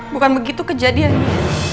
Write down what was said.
bukan begitu kejadian ini